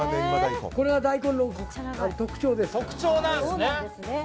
これは大根の特徴です。